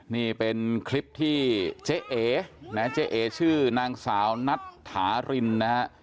นี่เป็นคลิปที่เจ๊เอ๋อีชื่อนางสาวนัทธาลินนะครับ